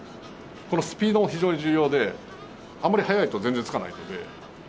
このスピードも非常に重要であんまり速いと全然つかないのでゆっくりです。